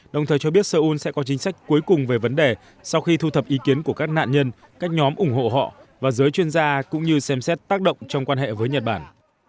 đồng thời cho biết seoul sẽ có chính sách cuối cùng về vấn đề sau khi thu thập ý kiến của các nạn nhân các nhóm ủng hộ họ và giới chuyên gia cũng như xem xét tác động trong quan hệ với nhật bản